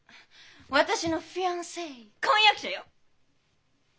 私のフィアンセ婚約者よ。